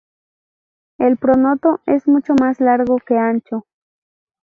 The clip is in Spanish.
El pronoto es mucho más largo que ancho.